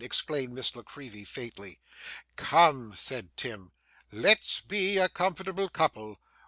exclaimed Miss La Creevy, faintly. 'Come,' said Tim, 'let's be a comfortable couple.